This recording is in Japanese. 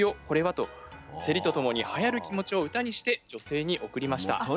これはとせりと共にはやる気持ちを歌にして女性に送りました。